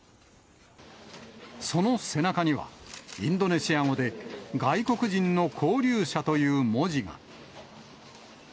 その背中にはインドネシア語で外国人の勾留者という文字が。